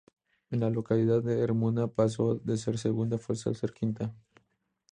En la localidad de Ermua pasó de ser segunda fuerza a ser quinta.